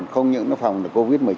không những nó phòng covid một mươi chín